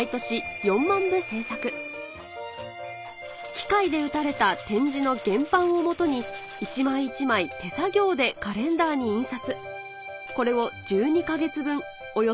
機械で打たれた点字の原版をもとに一枚一枚手作業でカレンダーに印刷